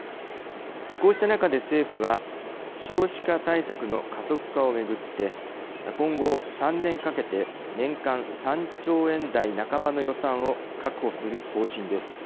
こうした中で政府は少子化対策の加速化を巡って今後３年かけて年間３兆円台半ばの予算を確保する方針です。